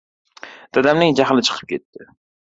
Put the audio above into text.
Dadamning jahli chiqib ketdi.